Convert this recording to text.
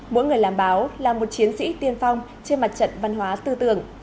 mỗi người làm báo là một chiến sĩ tiên phong trên mặt trận văn hóa tư tưởng